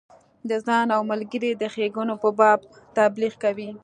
د ځان او ملګرو د ښیګڼو په باب تبلیغ کوي.